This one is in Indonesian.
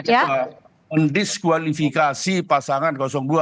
dan diskualifikasi pasangan dua